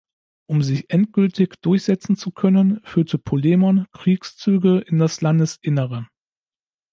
Um sich endgültig durchsetzen zu können, führte Polemon Kriegszüge in das Landesinnere.